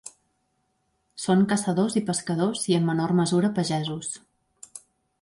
Són caçadors i pescadors i en menor mesura pagesos.